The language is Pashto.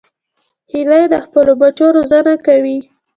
هیلۍ د خپلو بچو روزنه کوي